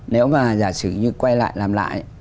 nếu mà giả sử như quay lại làm lại